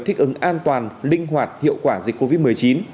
thích ứng an toàn linh hoạt hiệu quả dịch covid một mươi chín